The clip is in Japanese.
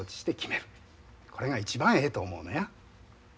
これが一番ええと思うのや。